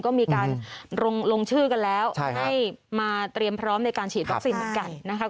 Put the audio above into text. ก็มีการลงชื่อกันแล้วให้มาเตรียมพร้อมในการฉีดวัคซีนเหมือนกันนะคะ